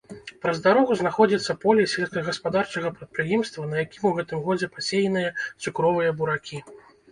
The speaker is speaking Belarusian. Праз дарогу знаходзіцца поле сельскагаспадарчага прадпрыемства, на якім у гэтым годзе пасеяныя цукровыя буракі.